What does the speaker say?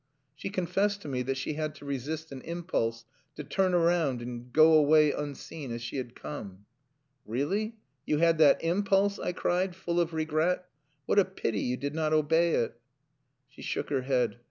She confessed to me that she had to resist an impulse to turn round and go away unseen, as she had come. "Really? You had that impulse?" I cried, full of regret. "What a pity you did not obey it." She shook her head.